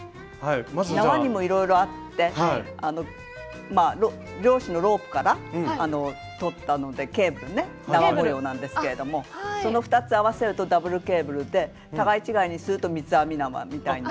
縄にもいろいろあって漁師のロープから取ったのでケーブルね縄模様なんですけれどもその２つ合わせるとダブルケーブルで互い違いにすると三つ編み縄みたいな。